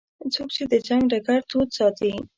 څوک چې د جنګ ډګر تود ساتي.